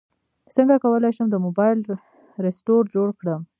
څنګه کولی شم د موبایل رسټور جوړ کړم